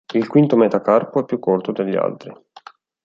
Il quinto metacarpo è più corto degli altri.